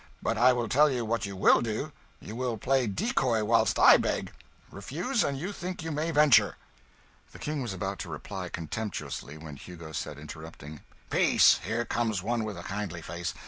But I will tell you what you will do. You will play decoy whilst I beg. Refuse, an' you think you may venture!" The King was about to reply contemptuously, when Hugo said, interrupting "Peace! Here comes one with a kindly face.